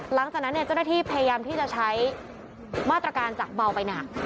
หลังจากนั้นเจ้าหน้าที่พยายามที่จะใช้มาตรการจากเบาไปหนัก